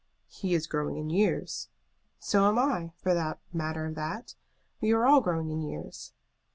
"He is growing in years." "So am I, for the matter of that. We are all growing in years."